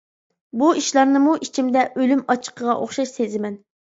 بۇ ئىشلارنىمۇ ئىچىمدە ئۆلۈم ئاچچىقىغا ئوخشاش سېزىمەن.